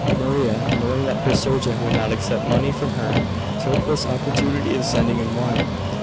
Maria, knowing that her surgeon would not accept money from her, took this opportunity of sending in wine.